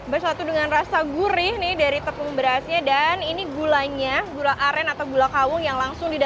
bersatu dengan rasa gurih nih dari tepung berasnya dan ini gulanya gula aren atau gula kawung yang langsung dikukus